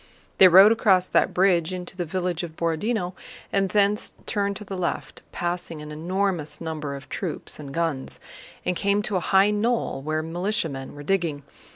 They rode across that bridge into the village of Borodinó and thence turned to the left, passing an enormous number of troops and guns, and came to a high knoll where militiamen were digging.